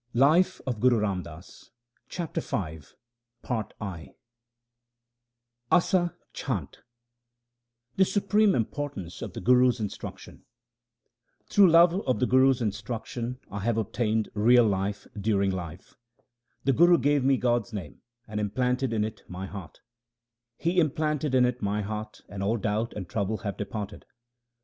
HYMNS OF GURU RAM DAS 311 Asa Chhant The supreme importance of the Guru's instruc tion :— Through love of the Guru's instruction I have obtained real life during life. The Guru gave me God's name, and implanted it in my heart : He implanted it in my heart, and all doubt and trouble have departed.